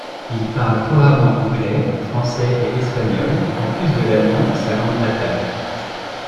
Il parle couramment anglais, français et espagnol en plus de l'allemand sa langue natale.